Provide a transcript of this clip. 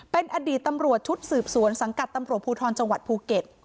เป็นอดีตตำรวจชุดสืบสวนสังกัดตำรวจภูทรจังหวัดภูเก็ต